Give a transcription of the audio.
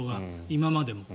今までも。